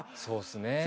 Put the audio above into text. そうっすね。